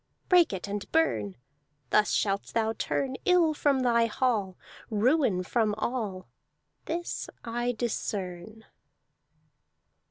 Break it and burn! Thus shalt thou turn Ill from thy hall, Ruin from all. This I discern."